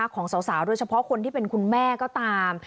ของสาวโดยเฉพาะคนที่เป็นคุณแม่ก็ตาม